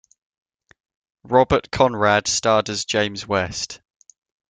Robert Conrad starred as James West.